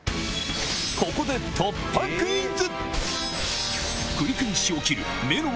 ここで突破クイズ！